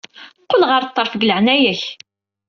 Qqel ɣer ṭṭerf deg leɛnaya-k.